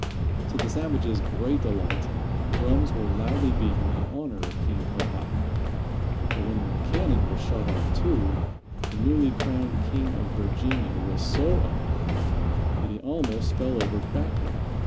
To the savages' great delight, drums were loudly beaten in honor of King Powhatan, but when the cannon was shot off, too, the newly crowned king of Virginia was so amazed that he almost fell over backward.